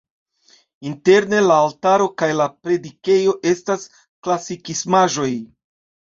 Interne la altaro kaj la predikejo estas klasikismaĵoj.